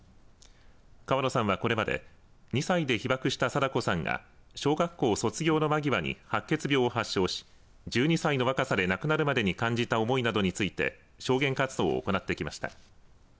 川野さんはこれまで２歳で被爆した禎子さんが小学校卒業の間際に白血病を発症し１２歳の若さで亡くなるまでに感じた思いなどについて証言活動を行ってきました。